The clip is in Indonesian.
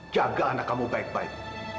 jaga anak kamu baik baik